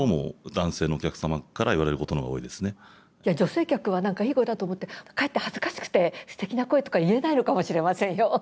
女性客は何かいい声だと思ってかえって恥ずかしくて「すてきな声」とか言えないのかもしれませんよ。